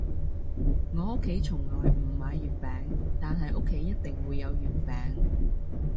我屋企從來唔買月餅，但係屋企一定會有月餅